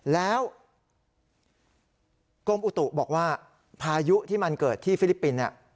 แล้วกรมอุตุบอกว่าพายุที่มันเกิดที่ฟิลิปปินส์เนี่ย